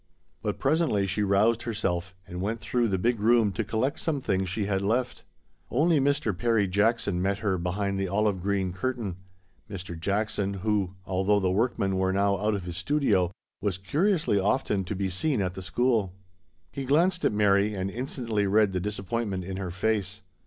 But presently she roused herself and went through the big room to collect some things she had left. Only Mr. Perry Jackson met her behind the olive green curtain ; Mr. Jack son who, although the workmen were out of his studio, was curiously often to be seen at the school. He glanced at Mary and in stantly read the disappointment in her face.